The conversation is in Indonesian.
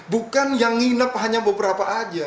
bukan yang nginep hanya beberapa aja